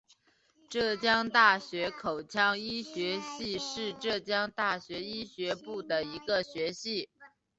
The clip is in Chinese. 浙江大学口腔医学系是浙江大学医学部的一个学系。